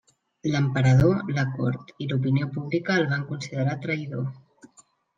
L'emperador, la cort i l'opinió pública el van considerar traïdor.